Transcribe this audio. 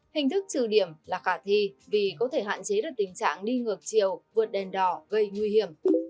hình thức trừ điểm là khả thi vì có thể hạn chế được tình trạng đi ngược chiều vượt đèn đỏ gây nguy hiểm